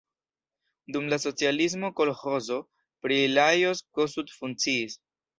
Dum la socialismo kolĥozo pri Lajos Kossuth funkciis.